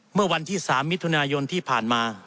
เมื่อวันที่๓มิถุนายนที่ผ่านมา